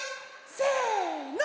せの！